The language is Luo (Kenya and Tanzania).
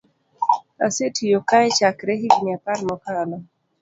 Asetiyo kae chakre higni apar mokalo